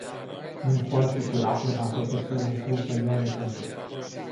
من خوا شوکور عەقڵم هاتۆتە سەرم و پووڵ پەیدا دەکەم